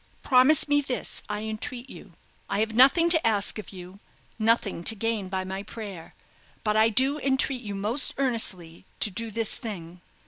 Promise me this, I entreat you. I have nothing to ask of you, nothing to gain by my prayer; but I do entreat you most earnestly to do this thing.